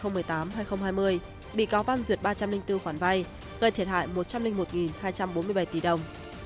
giai đoạn hai nghìn một mươi tám hai nghìn hai mươi bị cáo văn duyệt ba trăm linh bốn khoản vay gây thiệt hại một trăm linh một hai trăm bốn mươi bảy tỷ đồng